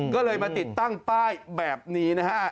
ก็เลยมาติดตั้งป้ายแบบนี้นะฮะ